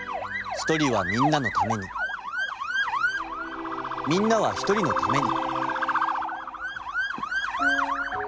「一人はみんなのためにみんなは一人のために」。